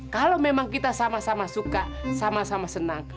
kalau memang kita sama sama suka sama sama senang